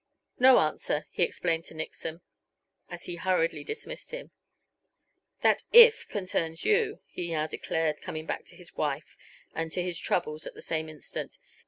"No answer," he explained to Nixon as he hurriedly, dismissed him. "That 'if' concerns you," he now declared, coming back to his wife and to his troubles at the same instant.